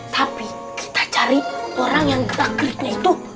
tapi kita cari orang yang gerak kliknya itu